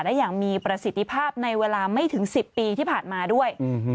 ได้อย่างมีประสิทธิภาพในเวลาไม่ถึง๑๐ปีที่ผ่านมาด้วย